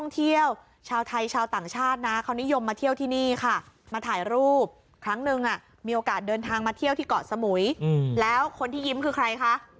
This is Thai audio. เที่ยวชาวไทยชาวต่างชาตินะเขานิยมมาเที่ยวที่นี่ค่ะมาถ่ายรูปครั้งนึงมีโอกาสเดินทางมาเที่ยวที่เกาะสมุยแล้วคนที่ยิ้มคือใครคะ